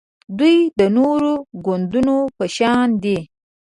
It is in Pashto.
دوی د نورو ګوندونو په شان دي